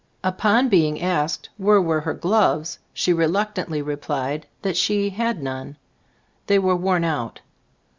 Upon being asked where were her gloves, she reluctantly replied that she "had none. They were worn out."